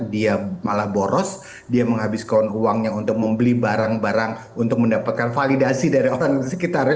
dia malah boros dia menghabiskan uangnya untuk membeli barang barang untuk mendapatkan validasi dari orang sekitarnya